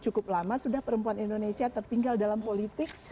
cukup lama sudah perempuan indonesia tertinggal dalam politik